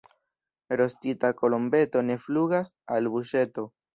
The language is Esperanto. Rostita kolombeto ne flugas al buŝeto.